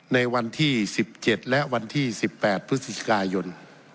ในวันที่๑๗และวันที่๑๘พฤศจิกายน